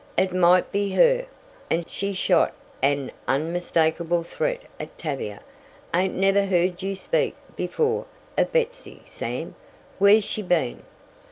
It might be her," and she shot an unmistakable threat at Tavia. "Ain't never heard you speak, before, of Betsy, Sam. Where's she bin?"